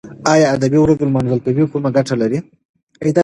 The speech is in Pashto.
ایا د ادبي ورځو لمانځل کومه ګټه لري؟